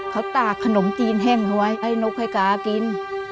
เขาตากขนมจีนแห้งเขาไว้ให้นกให้กากิน